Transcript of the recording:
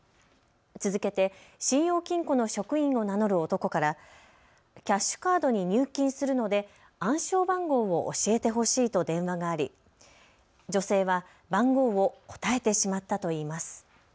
続けて信用金庫の職員を名乗る男からキャッシュカードに入金するので暗証番号を教えてほしいと電話があり、女性は番号を答えてしまったといいます。